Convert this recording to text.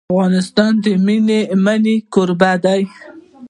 افغانستان د منی کوربه دی.